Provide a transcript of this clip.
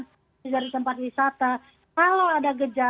habis dari tempat masalah habis dari kemudian olahraga seperti itu